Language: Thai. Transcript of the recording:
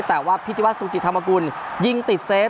แต่ว่าพิธีวัฒนสุจิตธรรมกุลยิงติดเซฟ